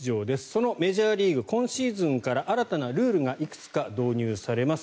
そのメジャーリーグ今シーズンから新たなルールがいくつか導入されます。